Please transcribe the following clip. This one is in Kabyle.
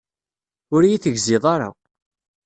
Ur iyi-tegzid ara.